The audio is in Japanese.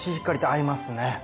合いますね。